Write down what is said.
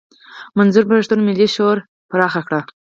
منظور پښتون ملي شعور پراخ کړ.